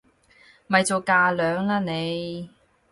咪做架樑啦你！